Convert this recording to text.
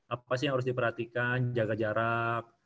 apa sih yang harus diperhatikan jaga jarak